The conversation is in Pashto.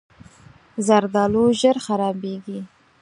زردالو ژر خرابېږي.